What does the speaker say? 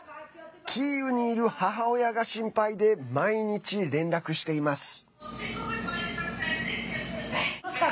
キーウにいる母親が心配で毎日、連絡しています。